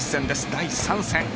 第３戦。